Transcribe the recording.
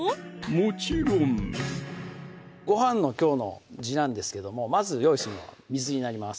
もちろんごはんのきょうの地なんですけどもまず用意するのは水になります